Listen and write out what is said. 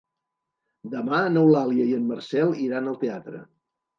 Demà n'Eulàlia i en Marcel iran al teatre.